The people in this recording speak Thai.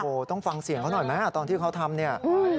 โอ้โหต้องฟังเสียงเขาหน่อยไหมตอนที่เขาทำเนี่ย